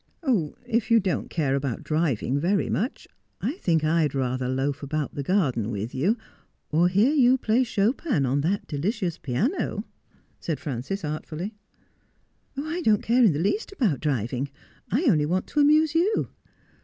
'If you don't care about driving very much, I think I'd rather loaf about the garden with you, or hear you play Chopin on that delicious piano,' said Frances artfully. ' I don't care in the least about driving ; I only want to amuse you.'